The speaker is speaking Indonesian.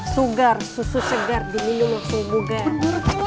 sugar susu segar dimilu langsung bugan